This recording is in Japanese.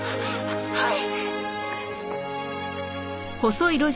はい！